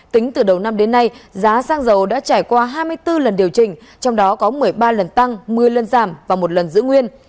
tính từ đầu năm đến nay giá xăng dầu đã trải qua hai mươi bốn lần điều chỉnh trong đó có một mươi ba lần tăng một mươi lần giảm và một lần giữ nguyên